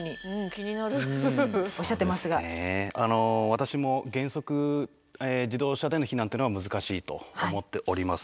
私も原則自動車での避難というのは難しいと思っております。